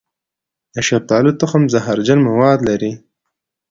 د شفتالو تخم زهرجن مواد لري.